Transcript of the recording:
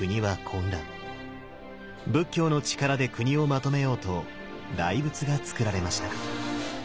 仏教の力で国をまとめようと大仏がつくられました。